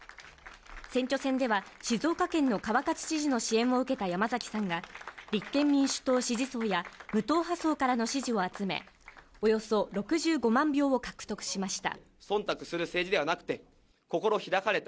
選挙戦では静岡県の川勝知事の支援を受けた山崎さんが立憲民主党支持層や無党派層からの支持を集めおよそ６５万票を獲得しました。